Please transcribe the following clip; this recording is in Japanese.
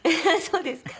そうですか？